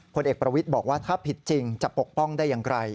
ผลเอกประวิทย์บอกว่าถ้าผิดจริงจะปกป้องได้อย่างไร